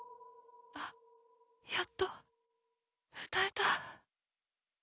あぁやっと歌えた